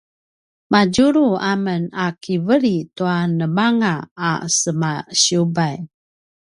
madjulu amen a kiveli tua nemanga a semasiyubay